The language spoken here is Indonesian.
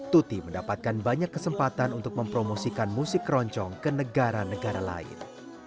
tuti mendapatkan banyak kesempatan untuk mempromosikan musik keroncong ke negara negara lain